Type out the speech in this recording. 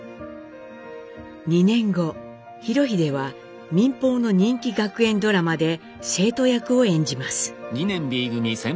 ２年後裕英は民放の人気学園ドラマで生徒役を演じます。